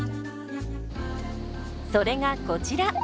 それがこちら。